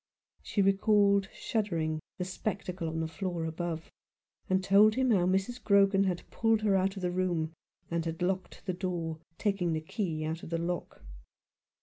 She recalled, shuddering, the spec tacle on the floor above, and told him how Mrs. Grogan had pulled her out of the room, and had locked the door, taking the key out of the lock.